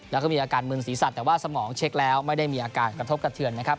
แล้วก็มีอาการมึนศีรษะแต่ว่าสมองเช็คแล้วไม่ได้มีอาการกระทบกระเทือนนะครับ